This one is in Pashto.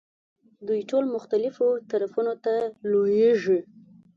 دوی ټول مختلفو طرفونو ته لویېږي.